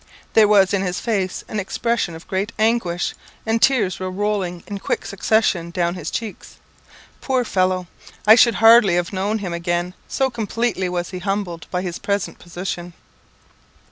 There was in his face an expression of great anguish, and tears were rolling in quick succession down his cheeks. Poor fellow! I should hardly have known him again, so completely was he humbled by his present position.